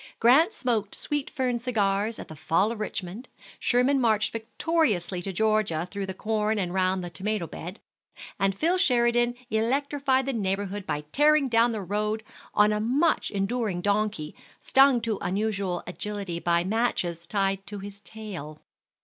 Grant smoked sweet fern cigars at the fall of Richmond; Sherman marched victoriously to Georgia through the corn and round the tomato bed, and Phil Sheridan electrified the neighborhood by tearing down the road on a much enduring donkey, stung to unusual agility by matches tied to his tail.